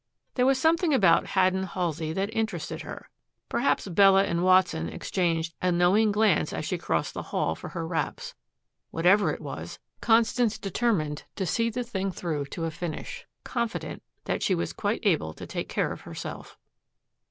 There was something about Haddon Halsey that interested her. Perhaps Bella and Watson exchanged a knowing glance as she crossed the hall for her wraps. Whatever it was, Constance determined to see the thing through to a finish, confident that she was quite able to take care of herself.